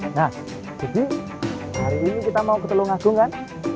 nah jadi hari ini kita mau ke telungagung kan